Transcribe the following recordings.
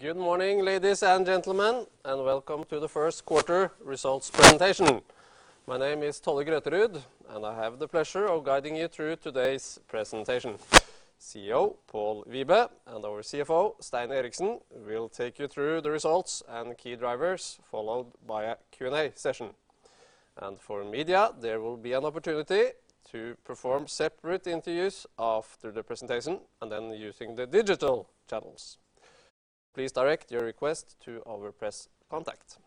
Good morning, ladies and gentlemen, and welcome to the first quarter results presentation. My name is Tolle Grøterud, and I have the pleasure of guiding you through today's presentation. CEO Pål Wibe and our CFO, Stein Alexander Eriksen, will take you through the results and key drivers, followed by a Q&A session. For media, there will be an opportunity to perform separate interviews after the presentation, and then using the digital channels. Please direct your request to our press contact.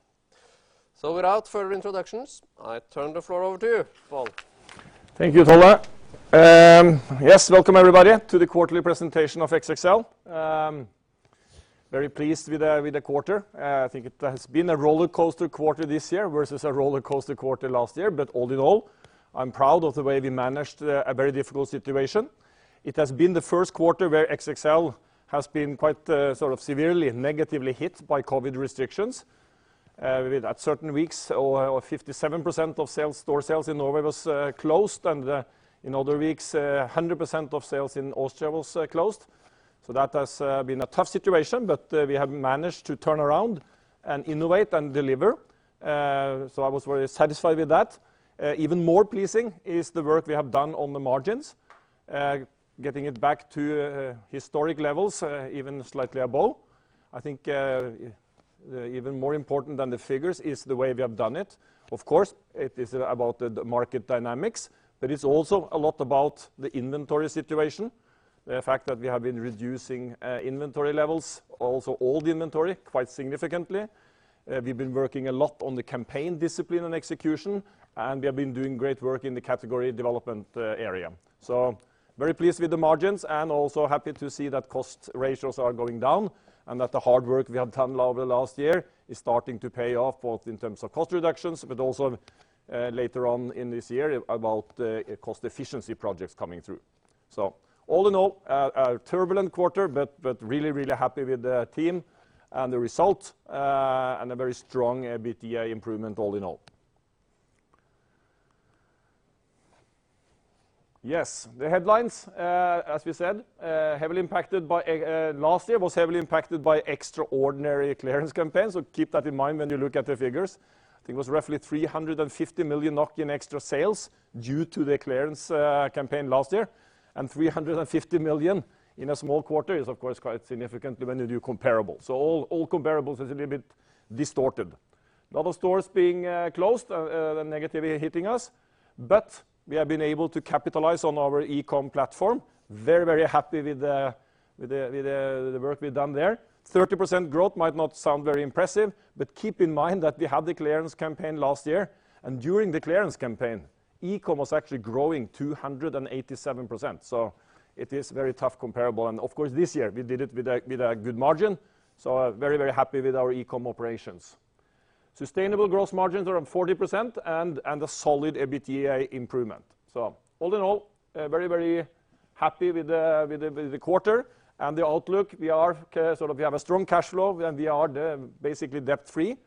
Without further introductions, I turn the floor over to you, Pål. Thank you, Tolle. Yes, welcome everybody to the quarterly presentation of XXL. Very pleased with the quarter. I think it has been a rollercoaster quarter this year versus a rollercoaster quarter last year, but all in all, I'm proud of the way we managed a very difficult situation. It has been the first quarter where XXL has been quite severely negatively hit by COVID restrictions, with at certain weeks, over 57% of store sales in Norway was closed, and in other weeks, 100% of sales in Austria was closed. That has been a tough situation, but we have managed to turn around and innovate and deliver. I was very satisfied with that. Even more pleasing is the work we have done on the margins, getting it back to historic levels, even slightly above. I think even more important than the figures is the way we have done it. It is about the market dynamics, but it's also a lot about the inventory situation, the fact that we have been reducing inventory levels, also old inventory, quite significantly. We've been working a lot on the campaign discipline and execution, and we have been doing great work in the category development area. Very pleased with the margins and also happy to see that cost ratios are going down and that the hard work we have done over the last year is starting to pay off, both in terms of cost reductions, but also later on in this year about cost efficiency projects coming through. All in all, a turbulent quarter, but really happy with the team and the result, and a very strong EBITDA improvement all in all. Yes. The headlines, as we said, last year was heavily impacted by extraordinary clearance campaigns. Keep that in mind when you look at the figures. I think it was roughly 350 million NOK in extra sales due to the clearance campaign last year. 350 million in a small quarter is of course quite significant when you do comparables. All comparables is a little bit distorted. A lot of stores being closed, negatively hitting us. We have been able to capitalize on our e-com platform. Very happy with the work we've done there. 30% growth might not sound very impressive. Keep in mind that we had the clearance campaign last year. During the clearance campaign, e-com was actually growing 287%. It is very tough comparable. Of course, this year we did it with a good margin. Very happy with our e-com operations. Sustainable growth margins are up 40%. A solid EBITDA improvement. All in all, very happy with the quarter and the outlook. We have a strong cash flow, we are basically debt-free.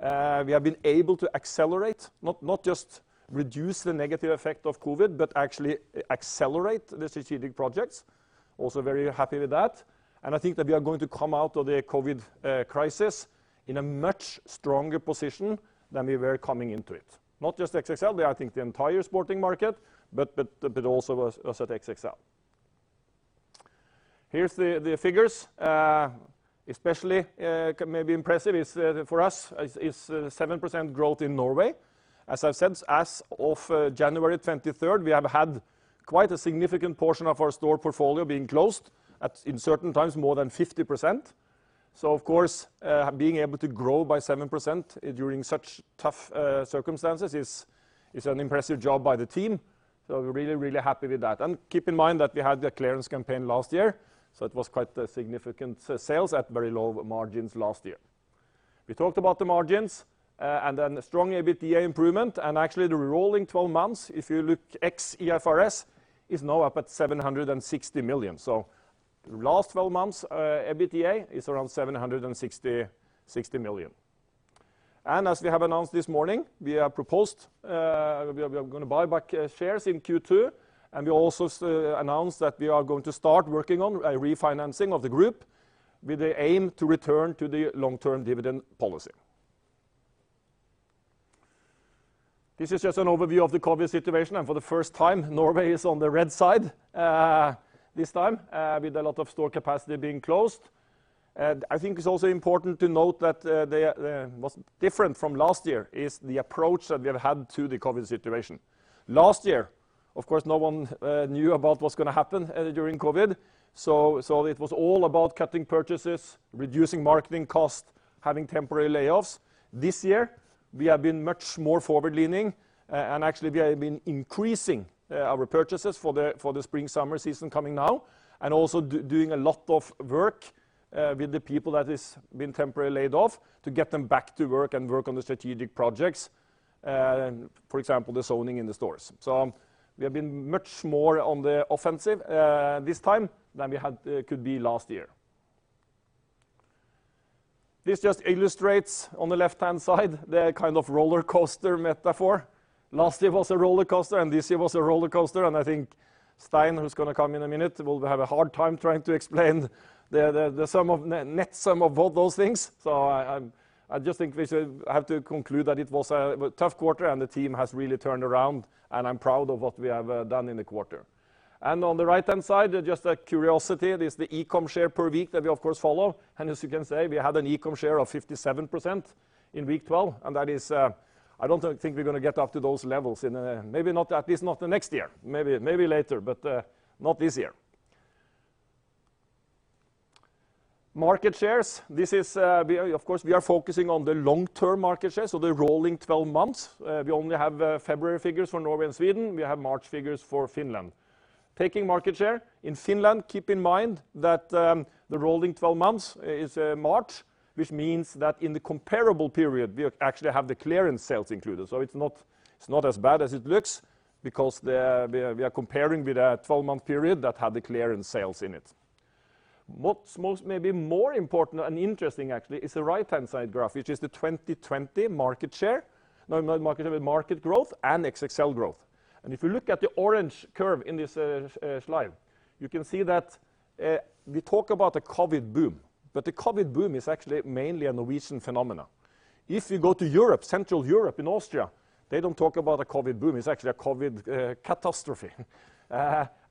We have been able to accelerate, not just reduce the negative effect of COVID, but actually accelerate the strategic projects. Also very happy with that. I think that we are going to come out of the COVID crisis in a much stronger position than we were coming into it. Not just XXL, I think the entire sporting market, but also us at XXL. Here's the figures. Especially maybe impressive is for us is 7% growth in Norway. As I've said, as of January 23rd, we have had quite a significant portion of our store portfolio being closed at in certain times more than 50%. Of course, being able to grow by 7% during such tough circumstances is an impressive job by the team. We're really happy with that. Keep in mind that we had the clearance campaign last year, so it was quite a significant sales at very low margins last year. We talked about the margins, and then the strong EBITDA improvement, and actually the rolling 12 months, if you look ex IFRS, is now up at 760 million. Last 12 months, EBITDA is around 760 million. As we have announced this morning, we are going to buy back shares in Q2, and we also announced that we are going to start working on a refinancing of the group with the aim to return to the long-term dividend policy. This is just an overview of the COVID situation, and for the first time, Norway is on the red side this time, with a lot of store capacity being closed. I think it's also important to note that what's different from last year is the approach that we have had to the COVID situation. Last year, of course, no one knew about what's going to happen during COVID. It was all about cutting purchases, reducing marketing costs, having temporary layoffs. This year, we have been much more forward-leaning, and actually, we have been increasing our purchases for the spring-summer season coming now, and also doing a lot of work with the people that has been temporarily laid off to get them back to work and work on the strategic projects. For example, the zoning in the stores. We have been much more on the offensive this time than we could be last year. This just illustrates on the left-hand side, the kind of rollercoaster metaphor. Last year was a rollercoaster, and this year was a rollercoaster, and I think Stein, who's going to come in a minute, will have a hard time trying to explain the net sum of all those things. I just think we have to conclude that it was a tough quarter and the team has really turned around, and I'm proud of what we have done in the quarter. On the right-hand side, just a curiosity, this is the e-com share per week that we, of course, follow. As you can see, we had an e-com share of 57% in week 12, and I don't think we're going to get up to those levels, at least not the next year. Maybe later, but not this year. Market shares. Of course, we are focusing on the long-term market share, so the rolling 12 months. We only have February figures for Norway and Sweden. We have March figures for Finland. Taking market share in Finland, keep in mind that the rolling 12 months is March, which means that in the comparable period, we actually have the clearance sales included. It's not as bad as it looks because we are comparing with a 12-month period that had the clearance sales in it. What's maybe more important and interesting actually is the right-hand side graph, which is the 2020 market growth and XXL growth. If you look at the orange curve in this slide, you can see that we talk about the COVID boom, but the COVID boom is actually mainly a Norwegian phenomenon. If you go to Europe, Central Europe in Austria, they don't talk about a COVID boom. It's actually a COVID catastrophe.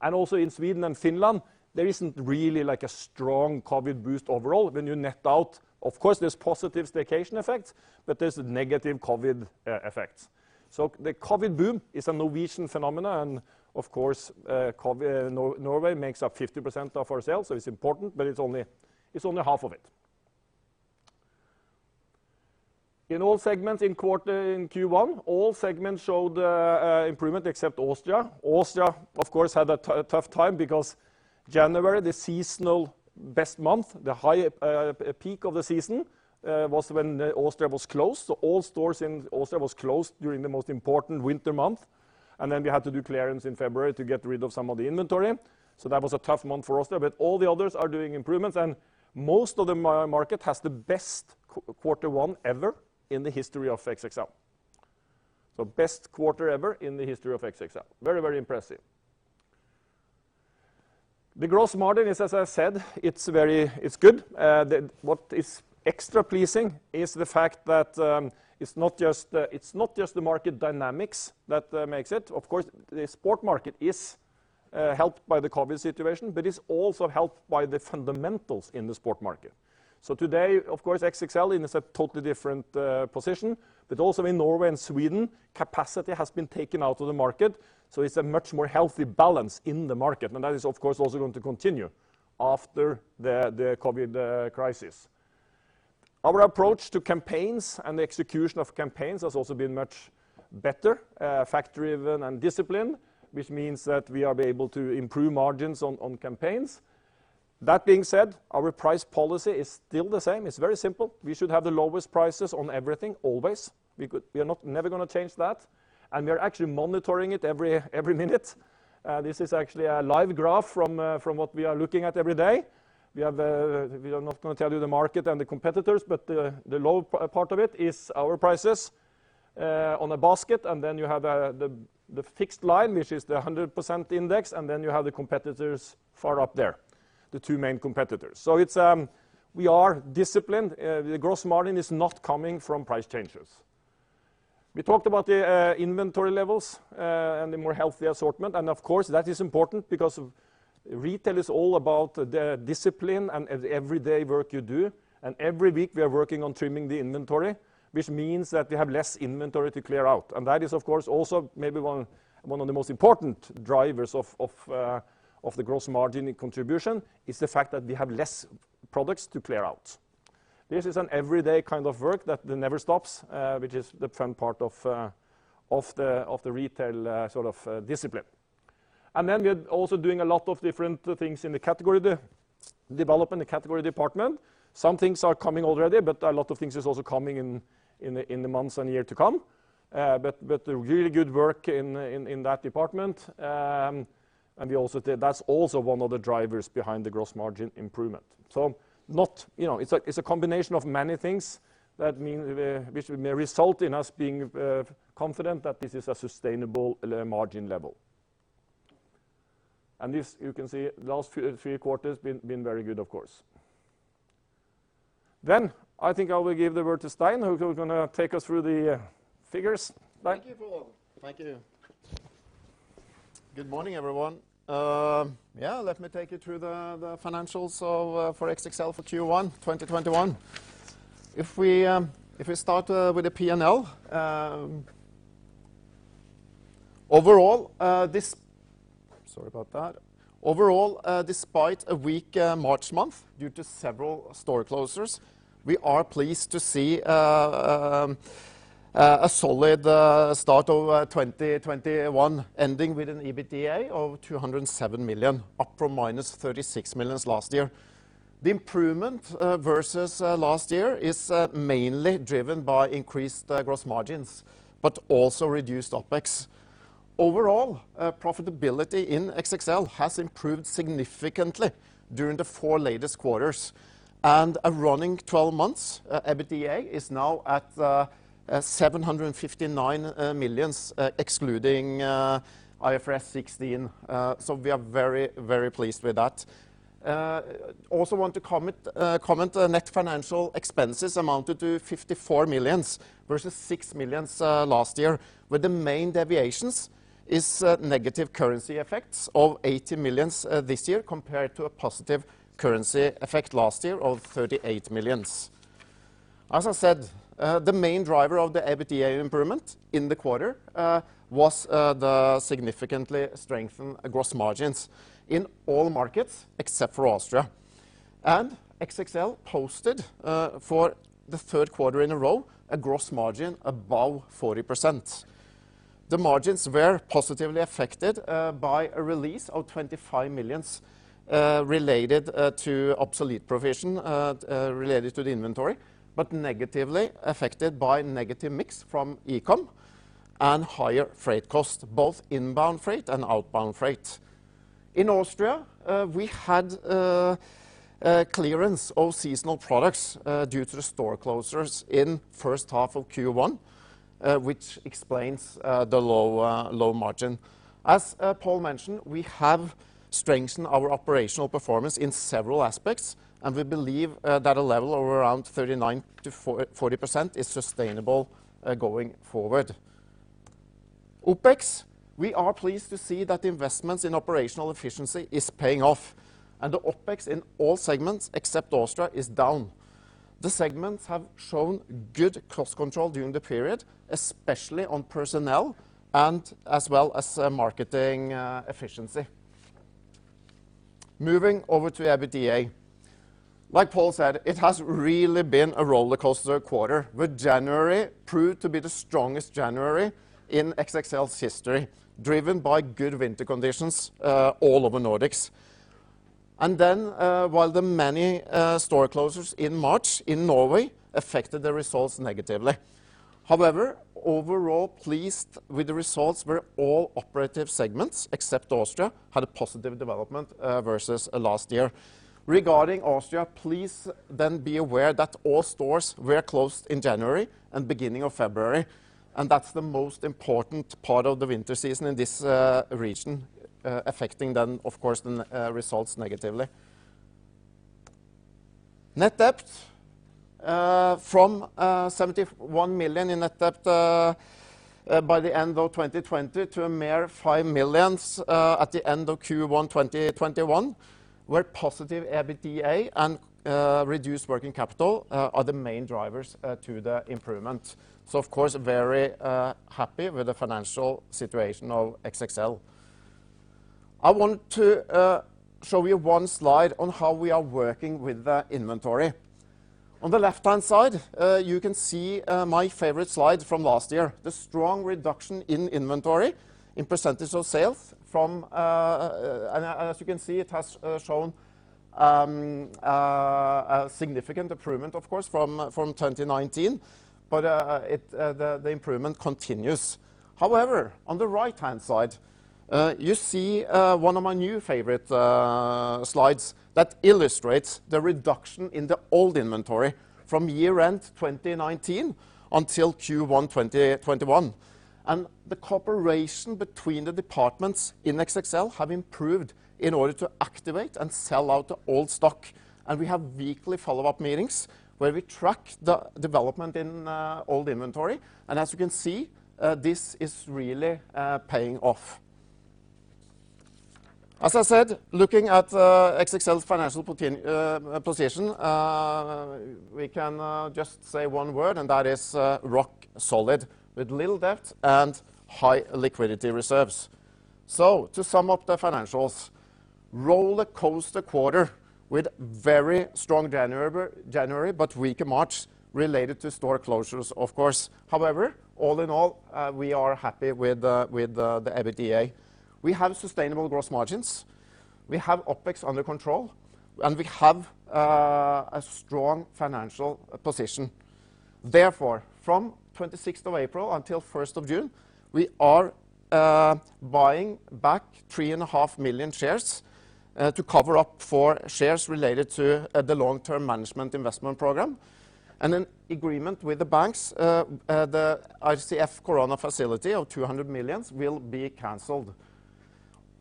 Also in Sweden and Finland, there isn't really a strong COVID boost overall when you net out. Of course, there's positive staycation effects, but there's negative COVID effects. The COVID boom is a Norwegian phenomenon. Of course, Norway makes up 50% of our sales, so it's important, but it's only half of it. In all segments in Q1, all segments showed improvement except Austria. Austria, of course, had a tough time because January, the seasonal best month, the peak of the season, was when Austria was closed. All stores in Austria were closed during the most important winter month, and then we had to do clearance in February to get rid of some of the inventory. That was a tough month for Austria. All the others are doing improvements, and most of the market has the best quarter one ever in the history of XXL. Best quarter ever in the history of XXL. Very, very impressive. The gross margin is, as I said, it's good. What is extra pleasing is the fact that it's not just the market dynamics that makes it. Of course, the sport market is helped by the COVID situation, but it's also helped by the fundamentals in the sport market. Today, of course, XXL is in a totally different position, but also in Norway and Sweden, capacity has been taken out of the market, so it's a much more healthy balance in the market, and that is, of course, also going to continue after the COVID crisis. Our approach to campaigns and the execution of campaigns has also been much better, fact-driven, and disciplined, which means that we are able to improve margins on campaigns. That being said, our price policy is still the same. It's very simple. We should have the lowest prices on everything, always. We are never going to change that, and we are actually monitoring it every minute. This is actually a live graph from what we are looking at every day. We are not going to tell you the market and the competitors, but the lower part of it is our prices on a basket, and then you have the fixed line, which is the 100% index, and then you have the competitors far up there, the two main competitors. We are disciplined. The gross margin is not coming from price changes. We talked about the inventory levels and the more healthy assortment, of course, that is important because retail is all about the discipline and everyday work you do. Every week, we are working on trimming the inventory, which means that we have less inventory to clear out. That is, of course, also maybe one of the most important drivers of the gross margin contribution, is the fact that we have less products to clear out. This is an everyday kind of work that never stops, which is the fun part of the retail sort of discipline. We are also doing a lot of different things in the category development, the category department. Some things are coming already, a lot of things are also coming in the months and year to come. Really good work in that department. That's also one of the drivers behind the gross margin improvement. It's a combination of many things, which may result in us being confident that this is a sustainable margin level. This you can see, the last three quarters have been very good, of course. I think I will give the word to Stein, who's going to take us through the figures. Stein. Thank you, Pål. Thank you. Good morning, everyone. Let me take you through the financials for XXL for Q1 2021. If we start with the P&L. Sorry about that. Overall, despite a weak March month due to several store closures, we are pleased to see a solid start of 2021, ending with an EBITDA of 207 million, up from -36 million last year. The improvement versus last year is mainly driven by increased gross margins, but also reduced OpEx. Overall profitability in XXL has improved significantly during the four latest quarters. A running 12 months EBITDA is now at 759 million, excluding IFRS 16, so we are very, very pleased with that. Also want to comment, net financial expenses amounted to 54 million versus 6 million last year, where the main deviations is negative currency effects of 80 million this year, compared to a positive currency effect last year of 38 million. As I said, the main driver of the EBITDA improvement in the quarter was the significantly strengthened gross margins in all markets except for Austria. XXL posted, for the third quarter in a row, a gross margin above 40%. The margins were positively affected by a release of 25 million related to obsolete provision related to the inventory, but negatively affected by negative mix from e-com and higher freight costs, both inbound freight and outbound freight. In Austria, we had clearance of seasonal products due to the store closures in first half of Q1, which explains the low margin. As Pål mentioned, we have strengthened our operational performance in several aspects, and we believe that a level of around 39%-40% is sustainable going forward. OpEx, we are pleased to see that investments in operational efficiency is paying off, and the OpEx in all segments except Austria is down. The segments have shown good cost control during the period, especially on personnel and as well as marketing efficiency. Moving over to EBITDA. Like Pål said, it has really been a rollercoaster quarter, with January proved to be the strongest January in XXL's history, driven by good winter conditions all over Nordics. While the many store closures in March in Norway affected the results negatively. However, overall pleased with the results where all operative segments, except Austria, had a positive development versus last year. Regarding Austria, please then be aware that all stores were closed in January and beginning of February, and that's the most important part of the winter season in this region, affecting then, of course, the results negatively. Net debt. From 71 million in net debt by the end of 2020 to a mere 5 million at the end of Q1 2021, where positive EBITDA and reduced working capital are the main drivers to the improvement. Of course, very happy with the financial situation of XXL. I want to show you one slide on how we are working with the inventory. On the left-hand side, you can see my favorite slide from last year, the strong reduction in inventory in percentage of sales from. As you can see, it has shown a significant improvement, of course, from 2019. The improvement continues. On the right-hand side, you see one of my new favorite slides that illustrates the reduction in the old inventory from year-end 2019 until Q1 2021. The cooperation between the departments in XXL have improved in order to activate and sell out the old stock. We have weekly follow-up meetings where we track the development in old inventory. As you can see, this is really paying off. As I said, looking at XXL's financial position, we can just say one word, and that is rock solid, with little debt and high liquidity reserves. To sum up the financials, rollercoaster quarter with very strong January, but weaker March related to store closures, of course. All in all, we are happy with the EBITDA. We have sustainable gross margins, we have OpEx under control, and we have a strong financial position. From 26th of April until 1st of June, we are buying back 3.5 million shares to cover up for shares related to the long-term management investment program. An agreement with the banks, the RCF corona facility of 200 million, will be canceled.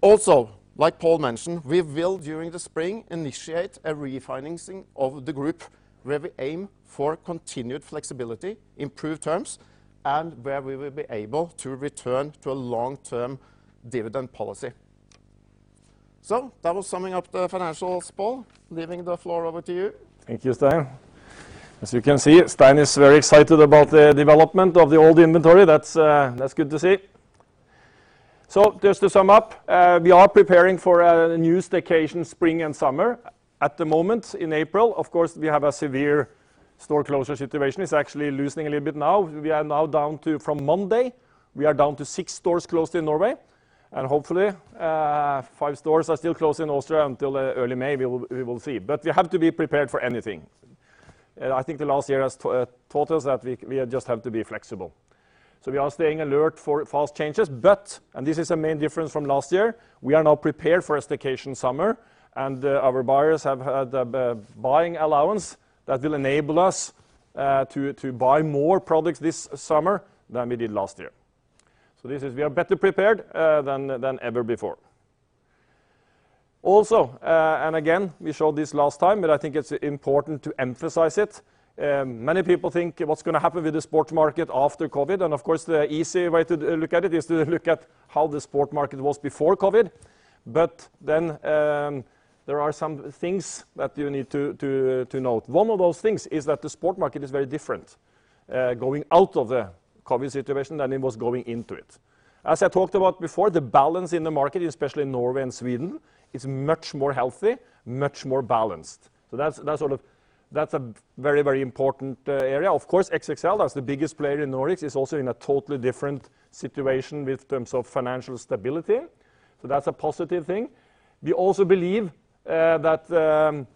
Also, like Pål mentioned, we will, during the spring, initiate a refinancing of the group where we aim for continued flexibility, improved terms, and where we will be able to return to a long-term dividend policy. That was summing up the financials. Pål, leaving the floor over to you. Thank you, Stein. As you can see, Stein is very excited about the development of the old inventory. That's good to see. Just to sum up, we are preparing for a new staycation spring and summer. At the moment, in April, of course, we have a severe store closure situation. It's actually loosening a little bit now. We are now down to, from Monday, we are down to six stores closed in Norway, and hopefully, five stores are still closed in Austria until early May. We will see. We have to be prepared for anything. I think the last year has taught us that we just have to be flexible. We are staying alert for fast changes. This is a main difference from last year, we are now prepared for a staycation summer, and our buyers have had a buying allowance that will enable us to buy more products this summer than we did last year. Also, again, we showed this last time, I think it's important to emphasize it. Many people think, what's going to happen with the sport market after COVID? Of course, the easy way to look at it is to look at how the sport market was before COVID. There are some things that you need to note. One of those things is that the sport market is very different going out of the COVID situation than it was going into it. As I talked about before, the balance in the market, especially in Norway and Sweden, is much more healthy, much more balanced. That's a very important area. Of course, XXL, as the biggest player in Nordics, is also in a totally different situation in terms of financial stability. That's a positive thing. We also believe that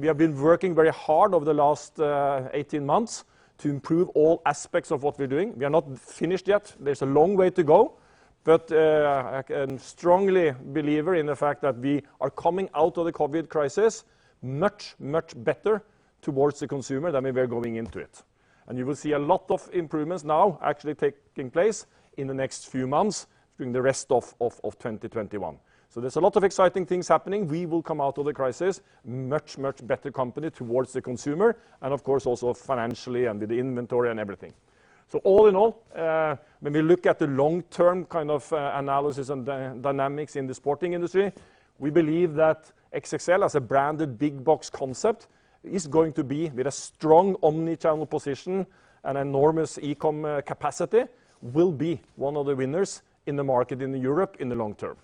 we have been working very hard over the last 18 months to improve all aspects of what we're doing. We are not finished yet. There's a long way to go. I am strongly believer in the fact that we are coming out of the COVID crisis much, much better towards the consumer than we were going into it. You will see a lot of improvements now actually taking place in the next few months during the rest of 2021. There's a lot of exciting things happening. We will come out of the crisis much, much better company towards the consumer, and of course, also financially and with the inventory and everything. All in all, when we look at the long-term kind of analysis and dynamics in the sporting industry, we believe that XXL as a branded big box concept is going to be with a strong omnichannel position and enormous e-com capacity, will be one of the winners in the market in Europe in the long term.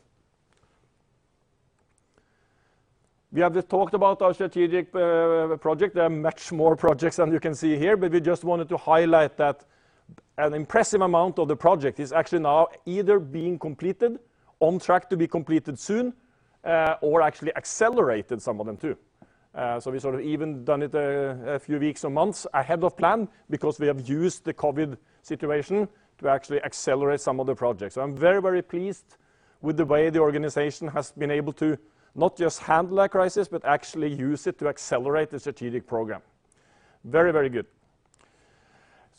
We have just talked about our strategic project. There are much more projects than you can see here, but we just wanted to highlight that an impressive amount of the project is actually now either being completed, on track to be completed soon, or actually accelerated some of them, too. We sort of even done it a few weeks or months ahead of plan because we have used the COVID situation to actually accelerate some of the projects. I'm very, very pleased with the way the organization has been able to not just handle a crisis, but actually use it to accelerate the strategic program. Very, very good.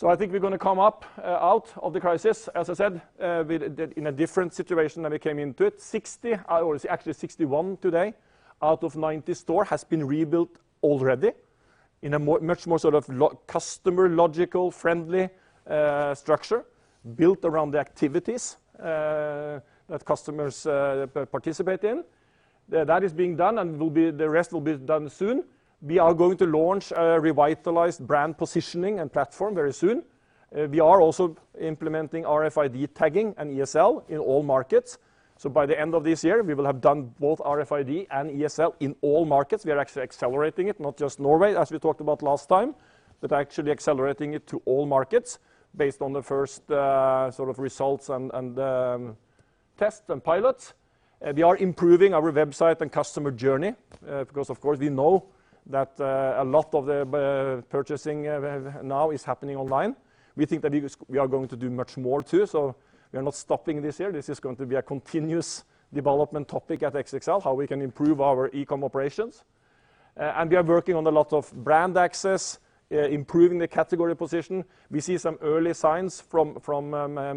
I think we're going to come up out of the crisis, as I said, in a different situation than we came into it. 60, or actually 61 today, out of 90 store has been rebuilt already in a much more sort of customer logical, friendly structure built around the activities that customers participate in. That is being done and the rest will be done soon. We are going to launch a revitalized brand positioning and platform very soon. We are also implementing RFID tagging and ESL in all markets. By the end of this year, we will have done both RFID and ESL in all markets. We are actually accelerating it, not just Norway, as we talked about last time, but actually accelerating it to all markets based on the first sort of results and tests and pilots. We are improving our website and customer journey because of course, we know that a lot of the purchasing now is happening online. We think that we are going to do much more, too. We are not stopping this year. This is going to be a continuous development topic at XXL, how we can improve our e-com operations. We are working on a lot of brand access, improving the category position. We see some early signs from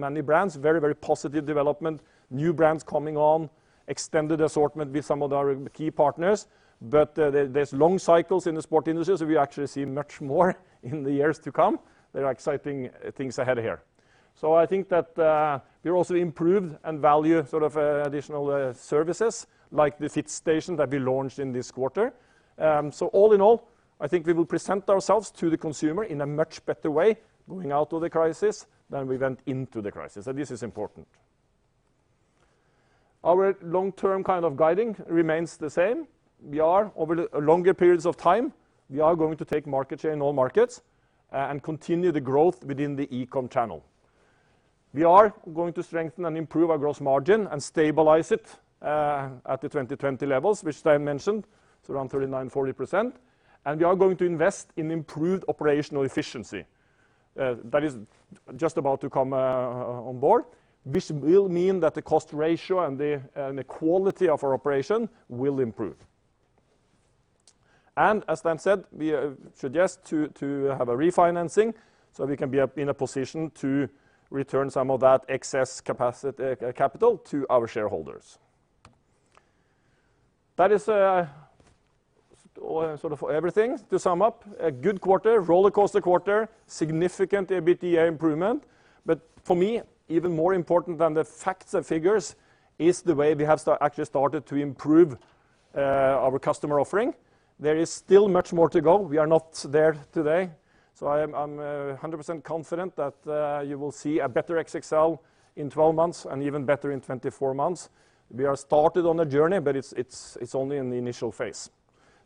many brands. Very positive development. New brands coming on, extended assortment with some of our key partners. There's long cycles in the sport industry, so we actually see much more in the years to come. There are exciting things ahead here. I think that we are also improved and value sort of additional services, like the Fit station that we launched in this quarter. All in all, I think we will present ourselves to the consumer in a much better way going out of the crisis than we went into the crisis, and this is important. Our long-term kind of guiding remains the same. We are, over longer periods of time, we are going to take market share in all markets, and continue the growth within the e-com channel. We are going to strengthen and improve our gross margin and stabilize it at the 2020 levels, which Stein mentioned, so around 39%, 40%. We are going to invest in improved operational efficiency. That is just about to come on board, which will mean that the cost ratio and the quality of our operation will improve. As Stein said, we suggest to have a refinancing so we can be in a position to return some of that excess capital to our shareholders. That is sort of everything. To sum up, a good quarter, rollercoaster quarter, significant EBITDA improvement. For me, even more important than the facts and figures is the way we have actually started to improve our customer offering. There is still much more to go. We are not there today. I'm 100% confident that you will see a better XXL in 12 months and even better in 24 months. We are started on a journey, but it's only in the initial phase.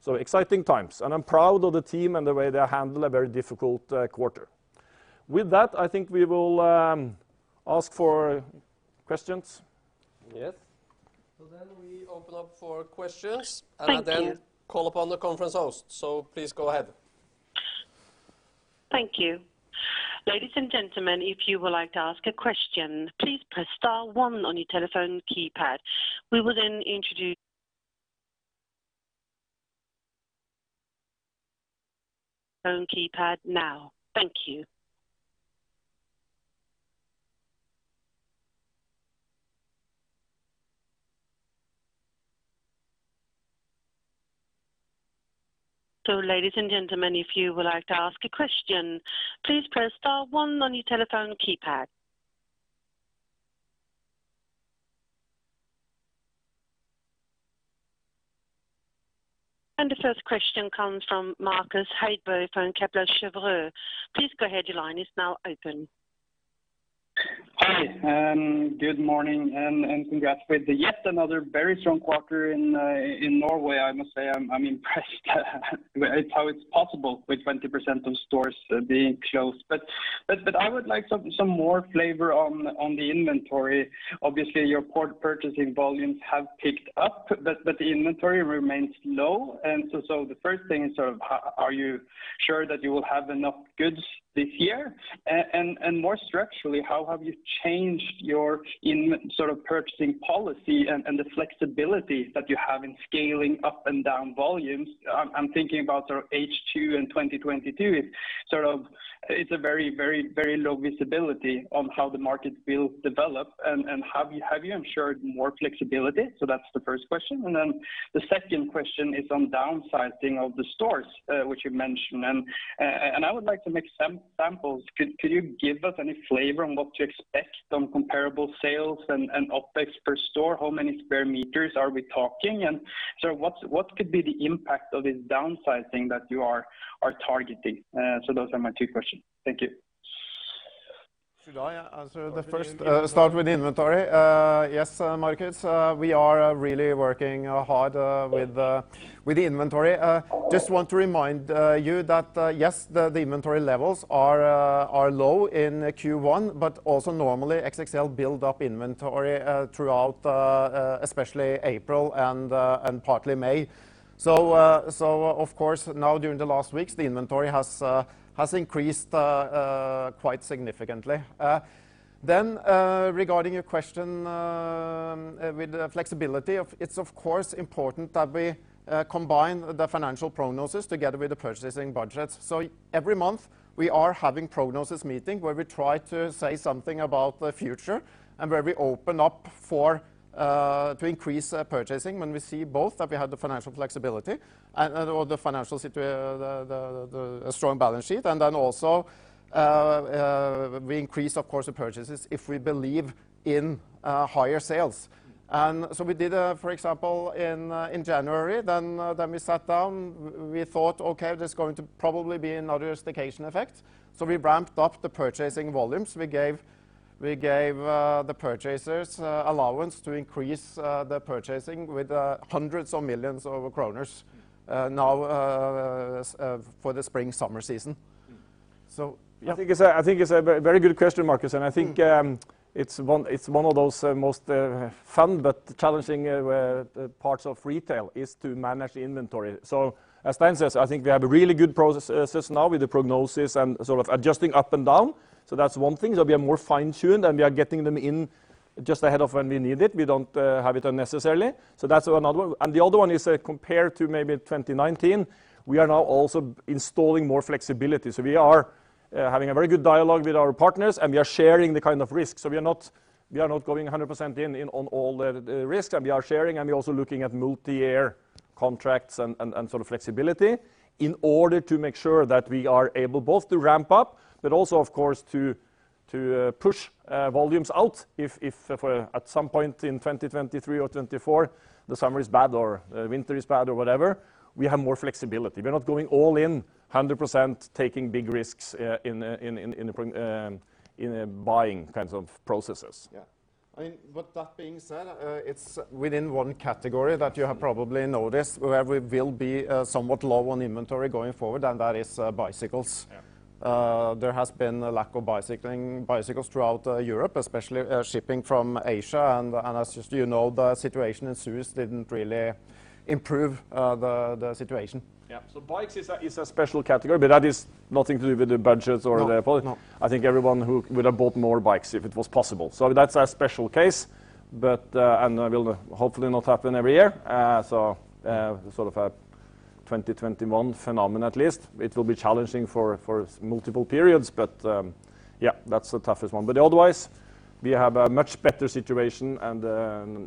Exciting times, and I'm proud of the team and the way they handle a very difficult quarter. With that, I think we will ask for questions. Yes We open up for questions. Thank you. I then call upon the conference host. Please go ahead. Thank you. Ladies and gentlemen, if you would like to ask a question, please press star one on your telephone keypad. Thank you. Ladies and gentlemen, if you would like to ask a question, please press star one on your telephone keypad. The first question comes from Markus Heiberg from Kepler Cheuvreux. Please go ahead. Your line is now open. Hi, good morning, congrats with yet another very strong quarter in Norway. I must say, I'm impressed how it's possible with 20% of stores being closed. I would like some more flavor on the inventory. Obviously, your port purchasing volumes have picked up, but the inventory remains low. The first thing is sort of, are you sure that you will have enough goods this year? More structurally, how have you changed your purchasing policy and the flexibility that you have in scaling up and down volumes? I'm thinking about sort of H2 in 2022. It's a very low visibility on how the market will develop, and have you ensured more flexibility? That's the first question. The second question is on downsizing of the stores, which you mentioned. I would like to make some examples. Could you give us any flavor on what to expect on comparable sales and OpEx per store? How many square meters are we talking? What could be the impact of this downsizing that you are targeting? Those are my two questions. Thank you. Should I answer the first? Start with inventory. Yes, Markus, we are really working hard with the inventory. Just want to remind you that, yes, the inventory levels are low in Q1, but also normally XXL build up inventory throughout, especially April and partly May. Of course now during the last weeks, the inventory has increased quite significantly. Regarding your question with flexibility, it is of course important that we combine the financial prognosis together with the purchasing budgets. Every month, we are having prognosis meeting where we try to say something about the future and where we open up to increase purchasing when we see both that we have the financial flexibility and the strong balance sheet. Also we increase, of course, the purchases if we believe in higher sales. We did, for example, in January, then we sat down, we thought, Okay, there's going to probably be another staycation effect. We ramped up the purchasing volumes. We gave the purchasers allowance to increase the purchasing with hundreds of millions of Norway Krone now for the spring-summer season. Yeah. I think it's a very good question, Markus, and I think it's one of those most fun but challenging parts of retail, is to manage the inventory. As Stein says, I think we have a really good process now with the prognosis and sort of adjusting up and down. That's one thing. They'll be more fine-tuned, and we are getting them in just ahead of when we need it. We don't have it unnecessarily. That's another one. The other one is compared to maybe 2019, we are now also installing more flexibility. We are having a very good dialogue with our partners, and we are sharing the kind of risks. We are not going 100% in on all the risk, and we are sharing and we are also looking at multi-year contracts and sort of flexibility in order to make sure that we are able both to ramp up but also, of course, to push volumes out if at some point in 2023 or 2024, the summer is bad or winter is bad or whatever, we have more flexibility. We are not going all in 100%, taking big risks in buying kinds of processes. Yeah. That being said, it is within one category that you have probably noticed where we will be somewhat low on inventory going forward, and that is bicycles. Yeah. There has been a lack of bicycles throughout Europe, especially shipping from Asia. As just you know, the situation in Suez didn't really improve the situation. Yeah. Bikes is a special category, but that is nothing to do with the budgets or the policy. No. I think everyone who would have bought more bikes if it was possible. That's a special case, and will hopefully not happen every year. Sort of a 2021 phenomenon at least. It will be challenging for multiple periods. That's the toughest one. Otherwise, we have a much better situation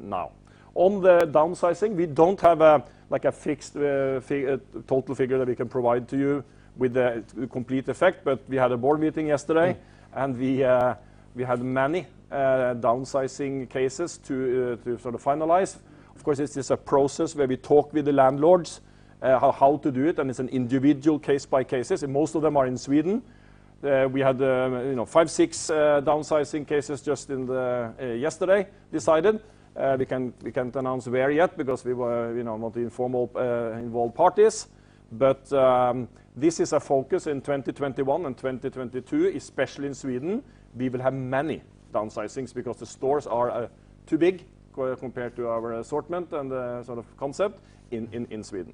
now. On the downsizing, we don't have a fixed total figure that we can provide to you with the complete effect. We had a board meeting yesterday, and we had many downsizing cases to sort of finalize. Of course, this is a process where we talk with the landlords how to do it, and it's an individual case by cases, and most of them are in Sweden. We had five, six downsizing cases just yesterday decided. We can't announce where yet because we were not involved parties. This is a focus in 2021 and 2022, especially in Sweden. We will have many downsizings because the stores are too big compared to our assortment and the sort of concept in Sweden.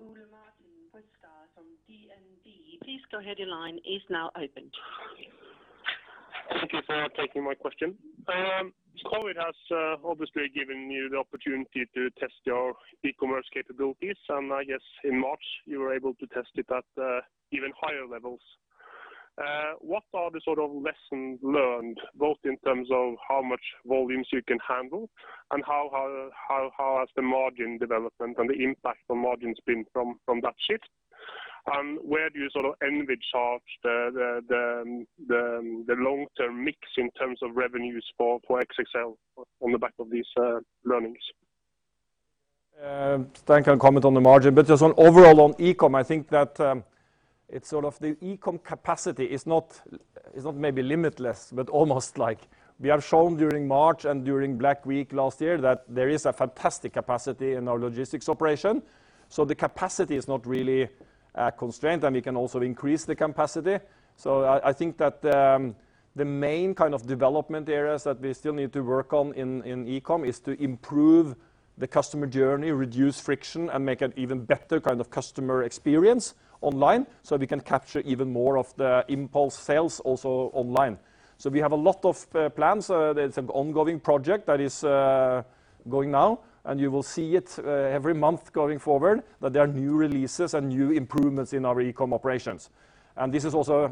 Thank you. Yeah. Thank you. That answered my questions. The next question comes from Ole Martin Westgaard from DNB. Please go ahead, your line is now open. Thank you for taking my question. COVID has obviously given you the opportunity to test your e-commerce capabilities, and I guess in March, you were able to test it at even higher levels. What are the lessons learned, both in terms of how much volumes you can handle and how has the margin development and the impact on margins been from that shift? Where do you envisage the long-term mix in terms of revenues for XXL on the back of these learnings? Stein will comment on the margin. Just on overall on e-com, I think that it's sort of the e-com capacity is not maybe limitless, but almost like we have shown during March and during Black Week last year that there is a fantastic capacity in our logistics operation. The capacity is not really a constraint, and we can also increase the capacity. I think that the main kind of development areas that we still need to work on in e-com is to improve the customer journey, reduce friction, and make an even better kind of customer experience online, so we can capture even more of the impulse sales also online. We have a lot of plans. There's an ongoing project that is going now, and you will see it every month going forward, that there are new releases and new improvements in our e-com operations. This is also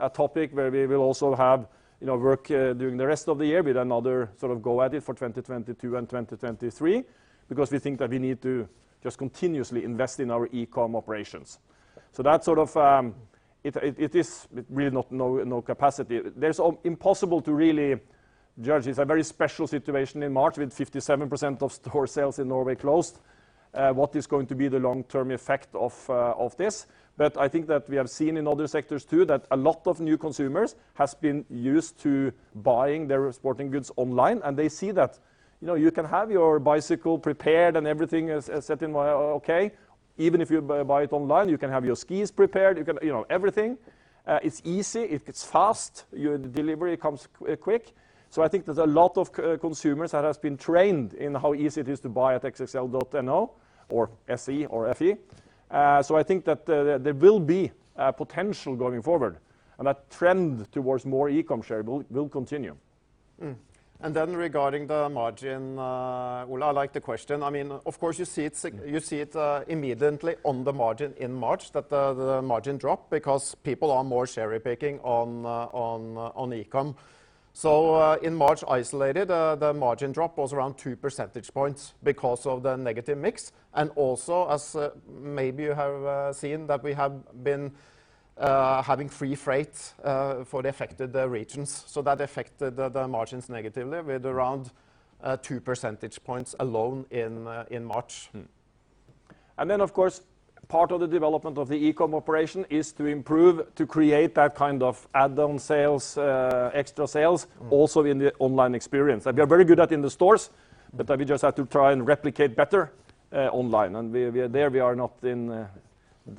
a topic where we will also have work during the rest of the year with another go at it for 2022 and 2023, because we think that we need to just continuously invest in our e-com operations. It is really no capacity. It's impossible to really judge. It's a very special situation in March with 57% of store sales in Norway closed. What is going to be the long-term effect of this? I think that we have seen in other sectors too, that a lot of new consumers has been used to buying their sporting goods online, and they see that you can have your bicycle prepared and everything is set and okay, even if you buy it online. You can have your skis prepared, everything. It's easy. It's fast. Your delivery comes quick. I think there's a lot of consumers that has been trained in how easy it is to buy at xxl.no or SE or FE. I think that there will be potential going forward, and that trend towards more e-com share will continue. Regarding the margin, Ole, I like the question. Of course, you see it immediately on the margin in March that the margin dropped because people are more cherry-picking on e-com. In March isolated, the margin drop was around 2 percentage points because of the negative mix, and also as maybe you have seen that we have been having free freight for the affected regions. That affected the margins negatively with around 2 percentage points alone in March. Then, of course, part of the development of the e-com operation is to improve, to create that kind of add-on sales, extra sales also in the online experience that we are very good at in the stores. We just have to try and replicate better online, and there we are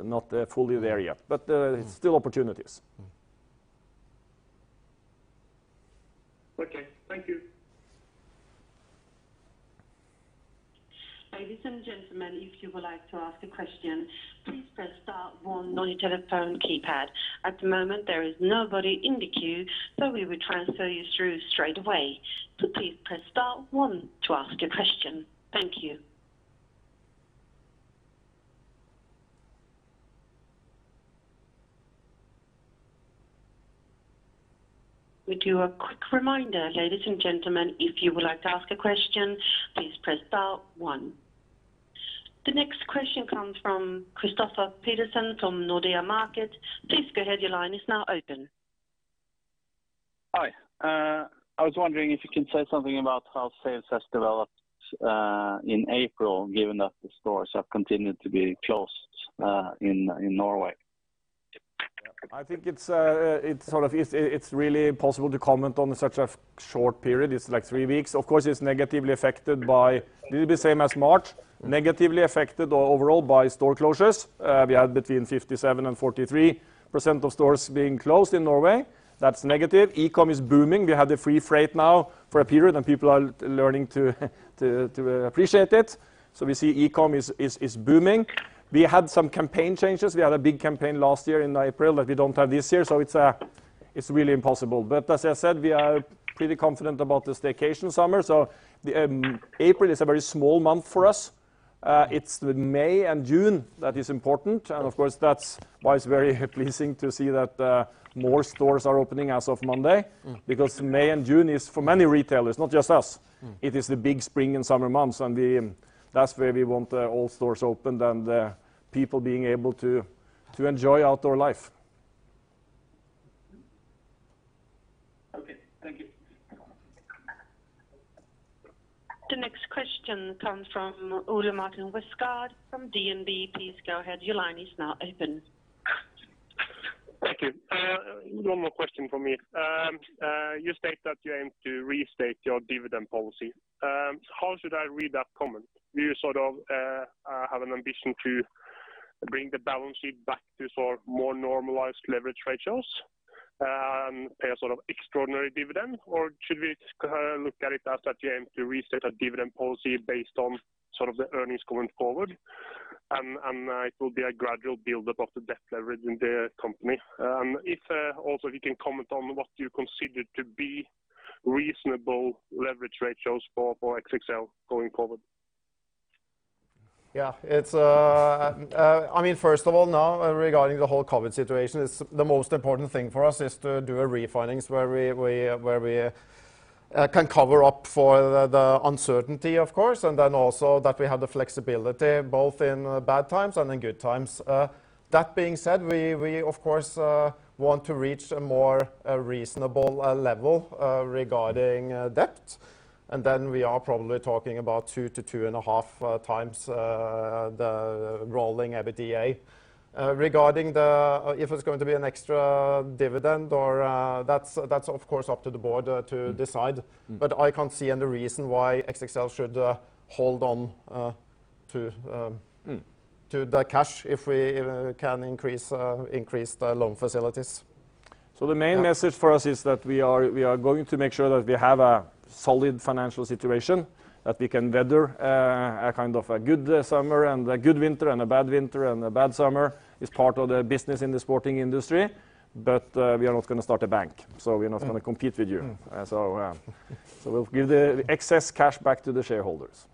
not fully there yet, but it's still opportunities. Okay. Thank you. The next question comes from Kristoffer Pedersen from Nordea Markets. Please go ahead, your line is now open. Hi. I was wondering if you can say something about how sales has developed in April, given that the stores have continued to be closed in Norway? I think it's really impossible to comment on such a short period. It's like three weeks. Of course, it's negatively affected. It will be the same as March, negatively affected overall by store closures. We had between 57% and 43% of stores being closed in Norway. That's negative. e-com is booming. We have the free freight now for a period, people are learning to appreciate it. We see e-com is booming. We had some campaign changes. We had a big campaign last year in April that we don't have this year, it's really impossible. As I said, we are pretty confident about the staycation summer. April is a very small month for us. It's the May and June that is important. Of course, that's why it's very pleasing to see that more stores are opening as of Monday because May and June is for many retailers, not just us, it is the big spring and summer months. That's where we want all stores opened and people being able to enjoy outdoor life. Okay. Thank you. The next question comes from Ole Martin Westgaard from DNB. Please go ahead, your line is now open. Thank you. One more question from me. You state that you aim to restate your dividend policy. How should I read that comment? Do you have an ambition to bring the balance sheet back to more normalized leverage ratios and pay a sort of extraordinary dividend? Or should we look at it as that you aim to restate a dividend policy based on the earnings going forward, and it will be a gradual buildup of the debt leverage in the company? If also you can comment on what you consider to be reasonable leverage ratios for XXL going forward. Yeah. First of all, now regarding the whole COVID situation, the most important thing for us is to do a refinancing where we can cover up for the uncertainty, of course, and then also that we have the flexibility both in bad times and in good times. That being said, we of course want to reach a more reasonable level regarding debt, and then we are probably talking about 2x-2.5x the rolling EBITDA. Regarding if it's going to be an extra dividend. That's of course up to the board to decide. I can't see any reason why XXL should hold on the cash if we can increase the loan facilities. The main message for us is that we are going to make sure that we have a solid financial situation, that we can weather a kind of a good summer and a good winter and a bad winter and a bad summer is part of the business in the sporting industry. We are not going to start a bank. We are not going to compete with you. We'll give the excess cash back to the shareholders.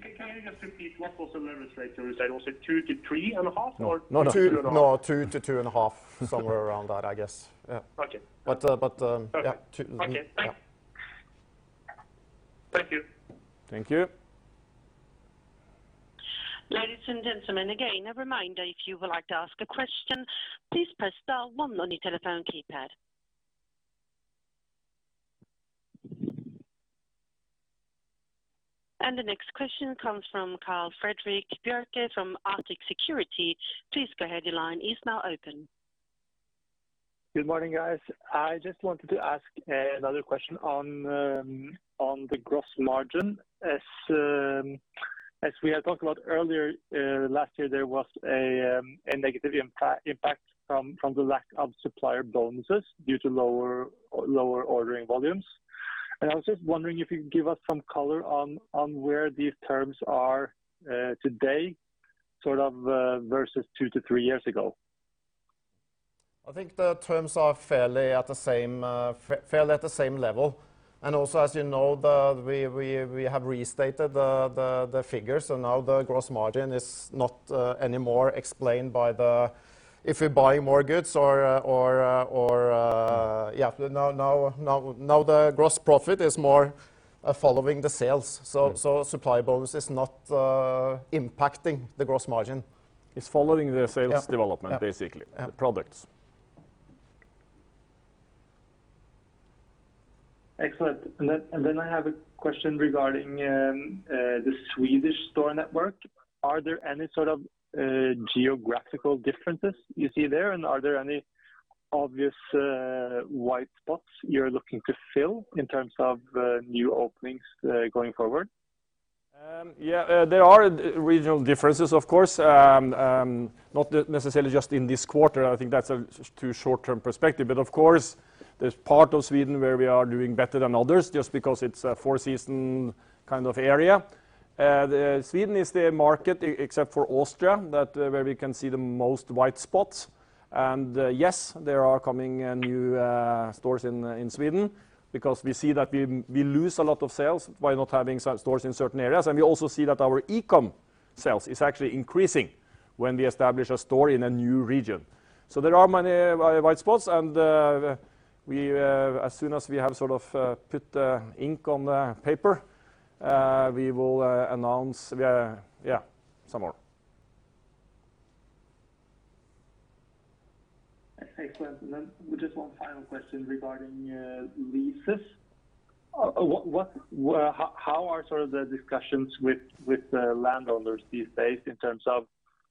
Can you just repeat what was the leverage ratio you said? Was it two to three and a half? No. Two and a half. No, two to two and a half. Somewhere around that, I guess. Yeah. Okay. But- Okay. Yeah. Okay, thanks. Yeah. Thank you. Thank you. Ladies and gentlemen, again, a reminder, if you would like to ask a question, please press star one on your telephone keypad. The next question comes from Carl Frederik Bjerke from Arctic Securities. Please go ahead. Your line is now open. Good morning, guys. I just wanted to ask another question on the gross margin. As we had talked about earlier last year, there was a negative impact from the lack of supplier bonuses due to lower ordering volumes. I was just wondering if you could give us some color on where these terms are today sort of versus two to three years ago. I think the terms are fairly at the same level. Also, as you know, we have restated the figures, so now the gross margin is not anymore explained by if we buy more goods or Yeah, now the gross profit is more following the sales. Supplier bonus is not impacting the gross margin. It's following the. Yeah development, basically. Yeah. The products. Excellent. I have a question regarding the Swedish store network. Are there any sort of geographical differences you see there? Are there any obvious white spots you're looking to fill in terms of new openings going forward? Yeah, there are regional differences, of course. Not necessarily just in this quarter. I think that's a too short-term perspective. Of course, there's part of Sweden where we are doing better than others just because it's a four-season kind of area. Sweden is the market, except for Austria, where we can see the most white spots. Yes, there are coming new stores in Sweden because we see that we lose a lot of sales by not having stores in certain areas. We also see that our e-com sales is actually increasing when we establish a store in a new region. There are many white spots, and as soon as we have sort of put ink on the paper, we will announce, yeah, some more. Excellent. Just one final question regarding leases. How are sort of the discussions with the landowners these days in terms of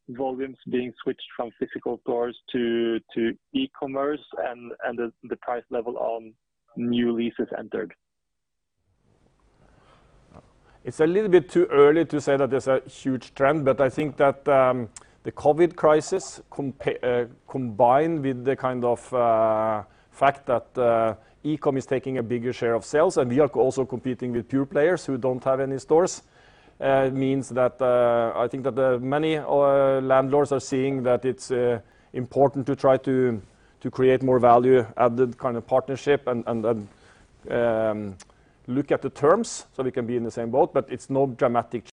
volumes being switched from physical stores to e-commerce and the price level on new leases entered? It's a little bit too early to say that there's a huge trend. I think that the COVID crisis combined with the kind of fact that e-com is taking a bigger share of sales, and we are also competing with pure players who don't have any stores. It means that I think that many landlords are seeing that it's important to try to create more value-added kind of partnership and look at the terms so we can be in the same boat. It's no dramatic change.